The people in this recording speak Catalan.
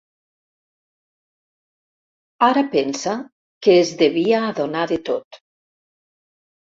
Ara pensa que es devia adonar de tot.